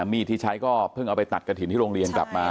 มีดที่ใช้ก็เพิ่งเอาไปตัดกระถิ่นที่โรงเรียนกลับมา